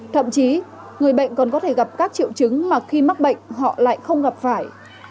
thậm chí người bệnh còn có thể gặp các triệu chứng mà khi mắc bệnh họ lại không gặp phải